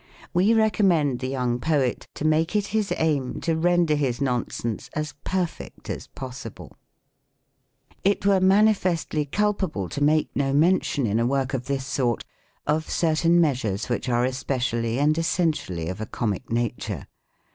We recommend the young poet to make it his aim to render his nonsense as perfect as possible. I L PEOSODV. 133 It were manifestly culpable to make no mention, in a work of this sort, of certain measures which are especially and essentially, of a comic nature.